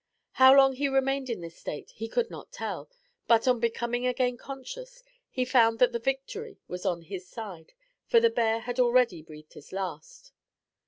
How long he remained in this state he could not tell; but, on becoming again conscious, he found that the victory was on his side, for the bear had already breathed his last.